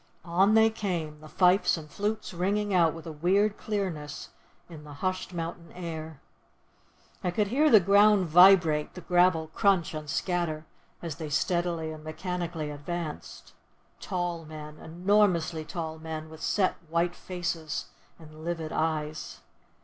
On they came, the fifes and flutes ringing out with a weird clearness in the hushed mountain air. I could hear the ground vibrate, the gravel crunch and scatter, as they steadily and mechanically advanced—tall men, enormously tall men, with set, white faces and livid eyes.